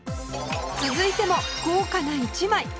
続いても高価な一枚